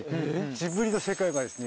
ジブリの世界がですね